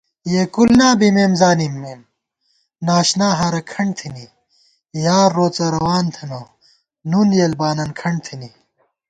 یېکُل نا بِمېم زانِمېم ناشنا ہارہ کھنٹ تھنی * یار روڅہ روان تھنہ نُن یېل بانن کھنٹ تھنی